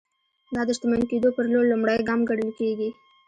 دا د شتمن کېدو پر لور لومړی ګام ګڼل کېږي.